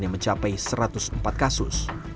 yang mencapai satu ratus empat kasus